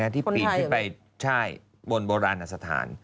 ที่ปีดไปบนโบราณอสถาน